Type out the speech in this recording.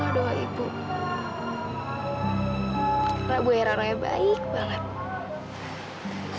karena ibu hera ngeraya baik banget